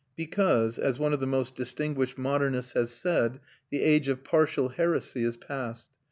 Because, as one of the most distinguished modernists has said, the age of partial heresy is past.